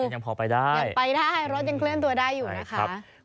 ยังพอไปได้ยังไปได้รถยังเคลื่อนตัวได้อยู่นะคะ